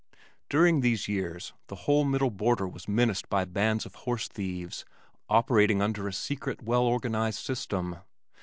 During these years the whole middle border was menaced by bands of horse thieves operating under a secret well organized system.